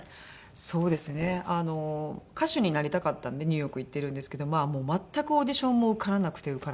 そうですね歌手になりたかったのでニューヨーク行ってるんですけど全くオーディションも受からなくて受からなくて。